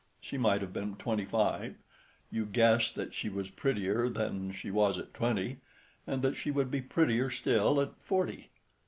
She might have been twenty five; you guessed that she was prettier than she was at twenty, and that she would be prettier still at forty.